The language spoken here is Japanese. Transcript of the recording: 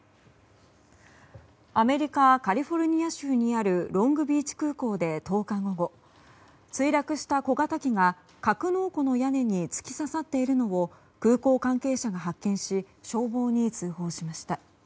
アメリカ・カリフォルニア州にあるロングビーチ空港で１０日午後墜落した小型機が格納庫の屋根に突き刺さっているのを空港関係者が発見し消防に通報しました。